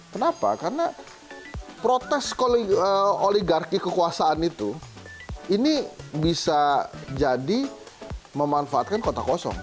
kenapa karena protes oligarki kekuasaan itu ini bisa jadi memanfaatkan kota kosong